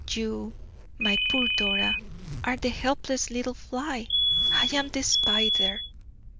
You, my poor Dora, are the helpless little fly, I am the spider.